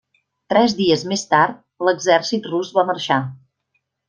Tres dies més tard, l'exèrcit rus va marxar.